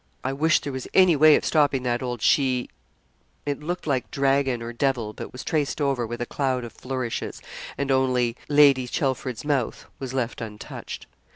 I wish there was any way of stopping that old she' (it looked like dragon or devil but was traced over with a cloud of flourishes, and only 'Lady Chelford's mouth' was left untouched).